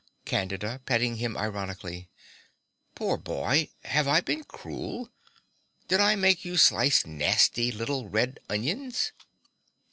CANDIDA (petting him ironically). Poor boy, have I been cruel? Did I make it slice nasty little red onions?